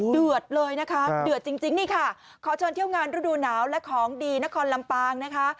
เดือดเลยนะคะเดือดจริงนี่ค่ะขอเชิญเที่ยวงานฤดูหนาวและของดีนครลำปางนะคะ